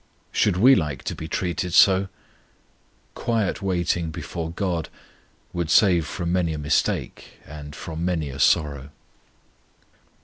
Should we like to be treated so? Quiet waiting before GOD would save from many a mistake and from many a sorrow.